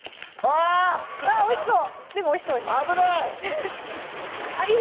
あっおいしそうでもおいしそう危ない！